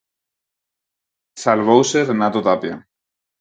Salvouse Renato Tapia.